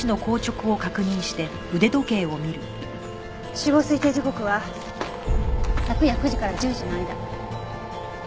死亡推定時刻は昨夜９時から１０時の間。